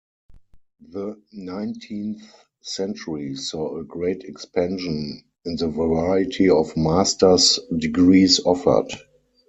The nineteenth century saw a great expansion in the variety of master's degrees offered.